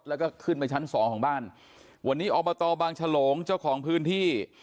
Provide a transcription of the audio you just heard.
แล้วก็ขึ้นไปชั้นสองของบ้านวันนี้อบตบางฉลงเจ้าของพื้นที่